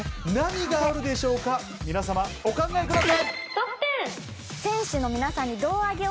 皆さまお考えください！